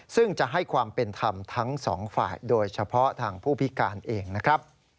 ซึ่งจะให้ความเป็นธรรมทั้งสองฝ่ายโดยเฉพาะทางผู้พิการเองนะครับ